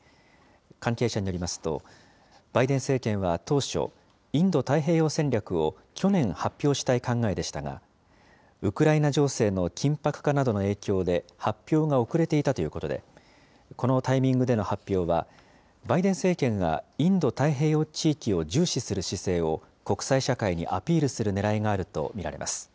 関係者によりますと、バイデン政権は当初、インド太平洋戦略を去年発表したい考えでしたが、ウクライナ情勢の緊迫化などの影響で、発表が遅れていたということで、このタイミングでの発表は、バイデン政権がインド太平洋地域を重視する姿勢を国際社会にアピールするねらいがあると見られます。